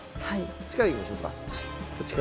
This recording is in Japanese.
こっちからいきましょうか。